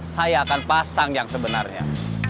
saya akan pasang yang sebenarnya